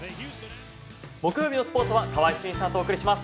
木曜日のスポーツは川合俊一さんとお送りします。